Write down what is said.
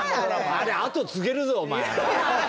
あれ後継げるぞお前。